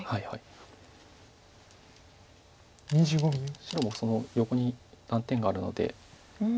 白もその横に断点があるので。